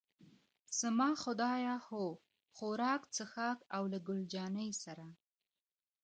زما خدایه، هو، خوراک، څښاک او له ګل جانې سره.